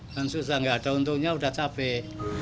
dan susah nggak ada untungnya udah capek